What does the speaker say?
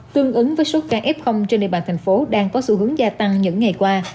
tương ứng với số ca f trên địa bàn thành phố đang có xu hướng gia tăng những ngày qua